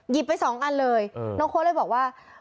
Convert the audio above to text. ไปสองอันเลยน้องโค้ดเลยบอกว่า